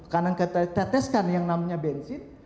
karena kita teteskan yang namanya bensin